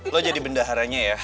lo jadi bendaharanya ya